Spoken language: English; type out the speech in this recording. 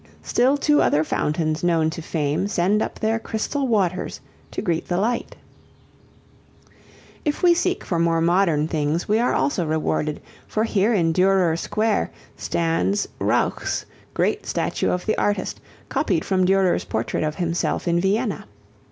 Still two other fountains known to fame send up their crystal waters to greet the light. If we seek for more modern things we are also rewarded, for here in Durer Square stands Rauch's great statue of the artist, copied from Durer's portrait of himself in Vienna.